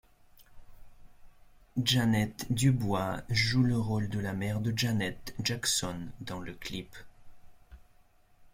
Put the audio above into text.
Janet Dubois joue le rôle de la mère de Janet Jackson, dans le clip.